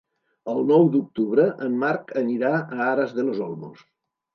El nou d'octubre en Marc anirà a Aras de los Olmos.